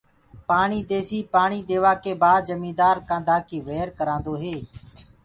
پاڻي ديسي پآڻي ديوآ ڪي بآد جميدآر ڪآنڌآ ڪي وير ڪروآندو هي.